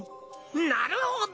なるほど！